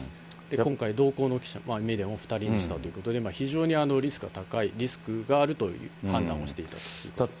今回同行のメディアも２人にしたということで、非常にリスクが高い、リスクがあるという判断をしていたということですね。